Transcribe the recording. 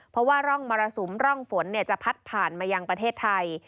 เพราะว่าร่องมรสุมร่องฝนจะพัดผ่านมายังประเทศไทย